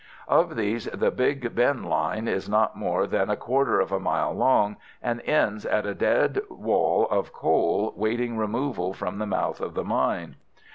"Of these the Big Ben line is not more than a quarter of a mile long, and ends at a dead wall of coal waiting removal from the mouth of the mine.